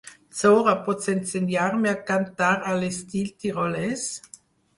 Zora, pots ensenyar-me a cantar a l'estil tirolès?